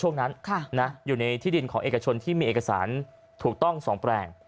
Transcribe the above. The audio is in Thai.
ช่วงนั้นอยู่ในที่ดินของเอกชนที่มีเอกสารถูกต้อง๒แปลง